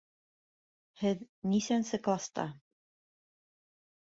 Һеҙ нисәнсе класта?